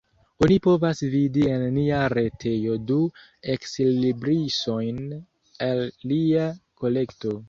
Oni povas vidi en nia retejo du ekslibrisojn el lia kolekto.